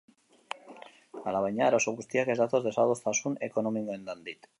Alabaina, arazo guztiak ez datoz desadostasun ekonomikoengatik.